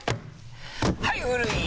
はい古い！